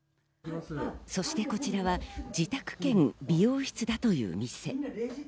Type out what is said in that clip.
そしてこちらは自宅兼美容室だという店。